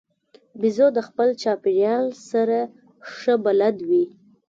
بیزو د خپل چاپېریال سره ښه بلد وي.